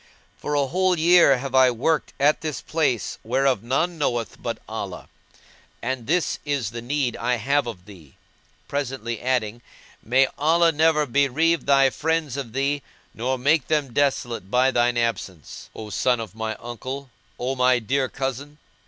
For a whole year have I worked at this place whereof none knoweth but Allah, and this is the need I have of thee;" presently adding, "May Allah never bereave thy friends of thee nor make them desolate by thine absence, O son of my uncle, O my dear cousin!"